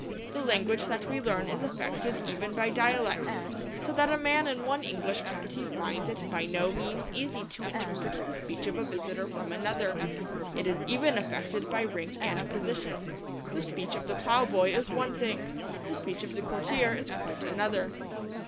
The language that we learn is affected even by dialects, so that a man in one English county finds it by no means easy to interpret the speech of a visitor from another. It is even affected by rank and position; the speech of the plough boy is one thing, the speech of the courtier is quite another.